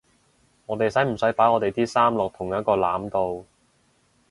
我哋使唔使擺我地啲衫落同一個籃度？